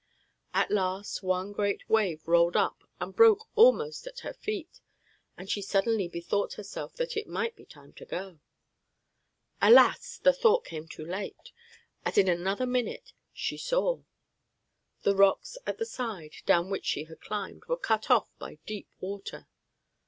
At last, one great wave rolled up and broke almost at her feet, and she suddenly bethought herself that it might be time to go. Alas! the thought came too late, as in another minute she saw. The rocks at the side, down which she had climbed, were cut off by deep water.